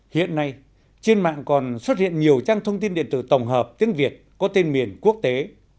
hiện nay trên mạng còn xuất hiện nhiều trang thông tin điện tử tổng hợp tiếng việt có tên miền quốc tế